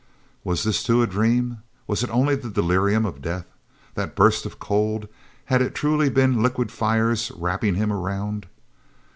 Was this, too, a dream? Was it only the delirium of death? That burst of cold—had it truly been liquid fires, wrapping him around?